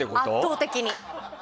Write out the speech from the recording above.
圧倒的に。